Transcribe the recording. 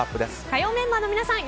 火曜メンバーの皆さん